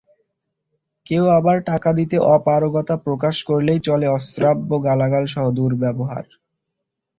কেউ আবার টাকা দিতে অপারগতা প্রকাশ করলেই চলে অশ্রাব্য গালাগালসহ দুর্ব্যবহার।